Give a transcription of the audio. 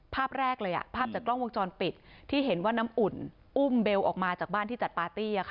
ภาพแรกเลยภาพจากกล้องวงจรปิดที่เห็นว่าน้ำอุ่นอุ้มเบลออกมาจากบ้านที่จัดปาร์ตี้